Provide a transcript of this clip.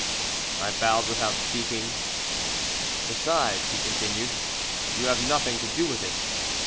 I bowed without speaking. "Besides," he continued, "you have nothing to do with it.